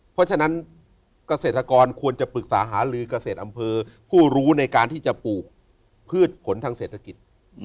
เพราะฉะนั้นเกษตรกรควรจะปรึกษาหาลือเกษตรอำเภอผู้รู้ในการที่จะปลูกพืชผลทางเศรษฐกิจ